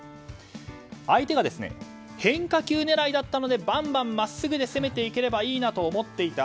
相手が変化球狙いだったのでバンバンまっすぐで攻めていければいいなと思っていた。